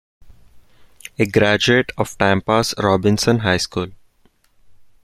A graduate of Tampa's Robinson High School.